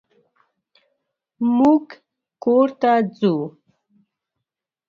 مونږ کور ته ځو.